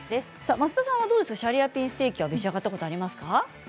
増田さんはシャリアピンステーキは召し上がったことありますか？